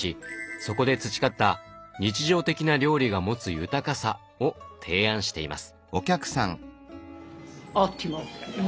そこで培った「日常的な料理が持つ豊かさ」を提案しています。